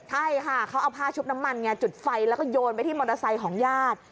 ใช่ค่ะเขาเอาผ้าชุบน้ำมันไงจุดไฟแล้วก็โยนไปที่มอเตอร์ไซค์ของญาติ